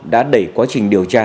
đã đẩy quá trình điều tra